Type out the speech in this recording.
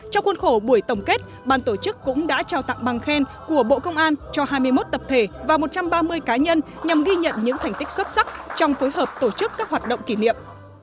trong khuôn khổ buổi tổng kết ban tổ chức cũng đã trao tặng bằng khen của bộ công an cho hai mươi một tập thể và một trăm ba mươi cá nhân nhằm ghi nhận những thành tích xuất sắc trong phối hợp tổ chức các hoạt động kỷ niệm